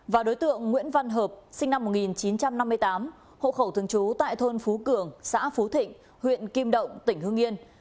và đối tượng nguyễn văn hợp sinh năm một nghìn chín trăm năm mươi tám hộ khẩu thường trú tại thôn phú cường xã phú thịnh huyện kim động tỉnh hương yên